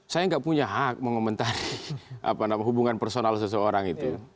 saya nggak punya hak mengomentari hubungan personal seseorang itu